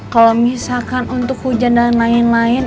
kalau misalkan untuk hujan dan lain lain